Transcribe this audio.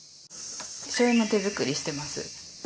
しょうゆも手作りしてます。